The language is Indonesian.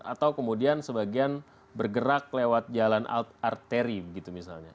atau kemudian sebagian bergerak lewat jalan arteri gitu misalnya